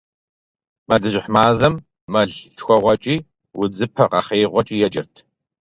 Мэлыжьыхь мазэм мэллъхуэгъуэкӀи удзыпэ къэхъеигъуэкӀи еджэрт.